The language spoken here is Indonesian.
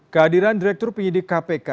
kehadiran direktur penyidik kpk